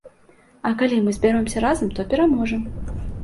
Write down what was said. А калі мы збяромся разам, то мы пераможам.